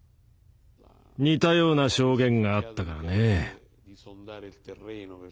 似たような証言があったからね。